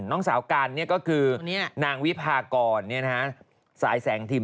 น้องสาวกันก็คือนางวิพากรสายแสงทิม